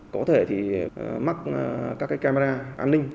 có thể thì mắc các camera an ninh